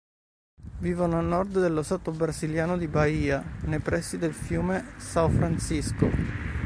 Vivono a nord dello stato brasiliano di Bahia, nei pressi del fiume São Francisco.